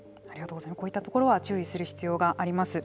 こういったところは注意する必要があります。